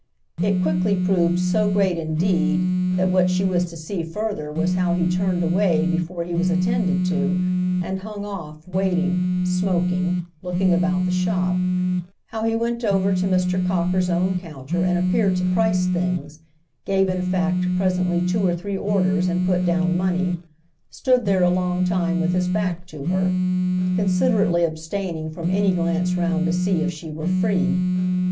It quickly proved so great indeed that what she was to see further was how he turned away before he was attended to, and hung off, waiting, smoking, looking about the shop; how he went over to Mr. Cocker's own counter and appeared to price things, gave in fact presently two or three orders and put down money, stood there a long time with his back to her, considerately abstaining from any glance round to see if she were free.